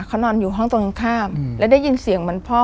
เขานอนอยู่ห้องตรงข้ามแล้วได้ยินเสียงเหมือนพ่อ